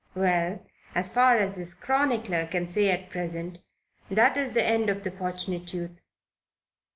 Well, as far as his chronicler can say at present, that is the end of the Fortunate Youth.